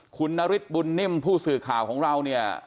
คุณนฤทธิบุญนิ่มผู้สื่อข่าวของเราเนี่ย